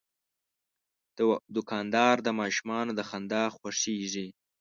دوکاندار د ماشومانو د خندا خوښیږي.